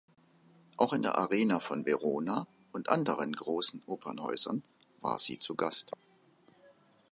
Auch in der Arena von Verona und anderen großen Opernhäusern war sie zu Gast.